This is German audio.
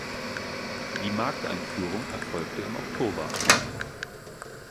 Die Markteinführung erfolgte im Oktober.